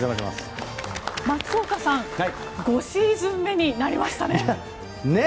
松岡さん、５シーズン目になりましたね。ね！